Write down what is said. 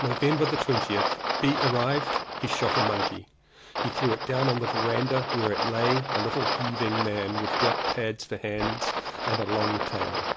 November 20th. B . arrived. He shot a monkey. He threw it down on the verandah where it 258 LLEWELLYN POWYS lay, a little heaving man with black pads for hands and a long white tail.